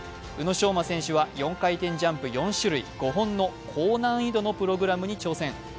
宇野昌磨選手は４回転ジャンプ４種類５本の高難易度のプログラムに挑戦。